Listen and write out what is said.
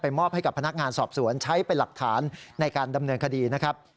มอบให้กับพนักงานสอบสวนใช้เป็นหลักฐานในการดำเนินคดีนะครับ